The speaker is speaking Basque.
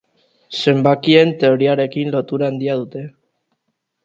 Zenbakien teoriarekin lotura handia dute.